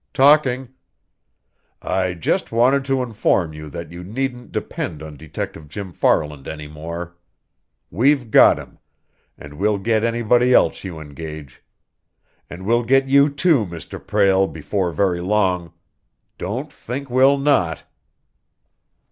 "Talking." "I just wanted to inform you that you needn't depend on Detective Jim Farland any more. We've got him and we'll get anybody else you engage. And we'll get you, too, Mr. Prale, before very long. Don't think we'll not!"